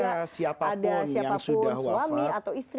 ada siapapun suami atau istri